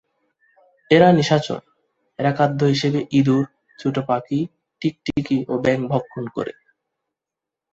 এরা নিশাচর, এরা খাদ্য হিসেবে ইঁদুর, ছোট পাখি, টিকটিকি ও ব্যাঙ ভক্ষণ করে।